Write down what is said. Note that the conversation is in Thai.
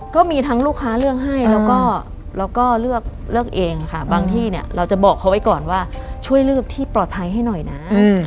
ก็มีทั้งลูกค้าเลือกให้แล้วก็เลือกเลือกเองค่ะบางที่เนี่ยเราจะบอกเขาไว้ก่อนว่าช่วยเลือกที่ปลอดภัยให้หน่อยนะ